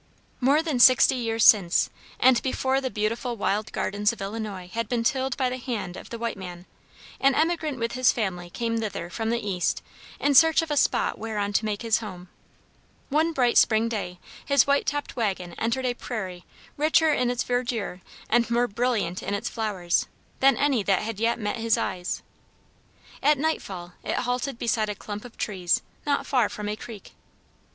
More than sixty years since, and before the beautiful wild gardens of Illinois had been tilled by the hand of the white man, an emigrant with his family came thither from the East in search of a spot whereon to make his home. One bright spring day his white topped wagon entered a prairie richer in its verdure and more brilliant in its flowers, than any that had yet met his eyes. At night fall it halted beside a clump of trees not far from a creek.